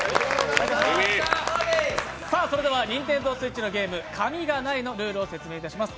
それではＮｉｎｔｅｎｄｏＳｗｉｔｃｈのゲーム「紙がない！」のルールを説明いたします。